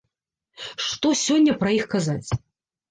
Што сёння пра іх казаць?